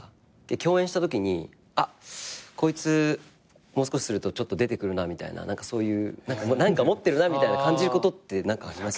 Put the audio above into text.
共演したときにあっこいつもう少しするとちょっと出てくるなみたいなそういう何か持ってるなみたいな感じることってあります？